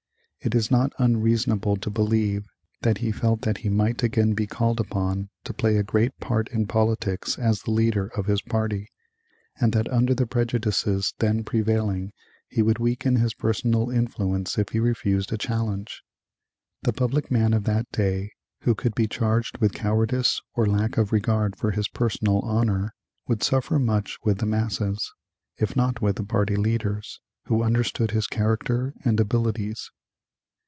It is not unreasonable to believe that he felt that he might again be called upon to play a great part in politics as the leader of his party, and that under the prejudices then prevailing he would weaken his personal influence if he refused a challenge. The public man of that day who could be charged with cowardice or lack of regard for his personal honor would suffer much with the masses, if not with the party leaders, who understood his character and abilities.